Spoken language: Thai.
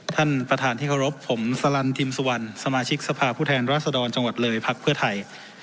ท่านประธานที่เคารพผมสลันทิมสุวรรณสมาชิกสภาพผู้แทนราษฎรจังหวัดเลยพักเพื่อไทย